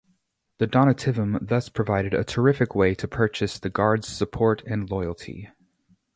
The "donativum" thus provided a terrific way to purchase the Guards' support and loyalty.